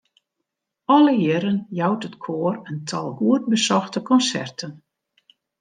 Alle jierren jout it koar in tal goed besochte konserten.